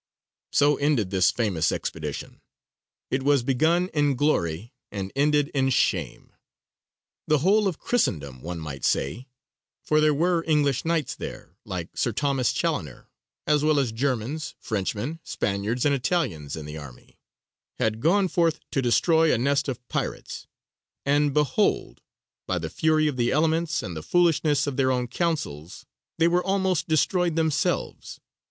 So ended this famous expedition. It was begun in glory, and ended in shame. The whole of Christendom, one might say for there were English knights there, like Sir Thomas Challoner, as well as Germans, Frenchmen, Spaniards, and Italians in the army had gone forth to destroy a nest of pirates, and behold, by the fury of the elements and the foolishness of their own counsels, they were almost destroyed themselves.